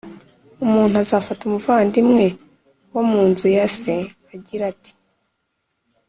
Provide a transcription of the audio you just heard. Umuntu azafata umuvandimwe wo mu nzu ya se, agira ati